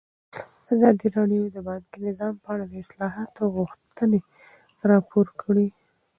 ازادي راډیو د بانکي نظام په اړه د اصلاحاتو غوښتنې راپور کړې.